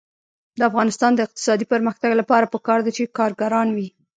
د افغانستان د اقتصادي پرمختګ لپاره پکار ده چې کارګران وي.